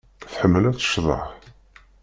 Tḥemmel ad tecḍeḥ.